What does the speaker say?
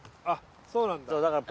っそうなんだ。